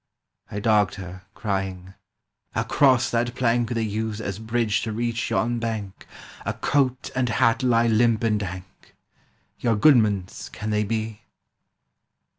. I dogged her, crying: "Across that plank They use as bridge to reach yon bank A coat and hat lie limp and dank; Your goodman's, can they be?"